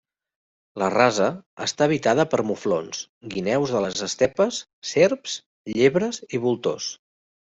La rasa està habitada per muflons, Guineus de les estepes, serps, llebres i voltors.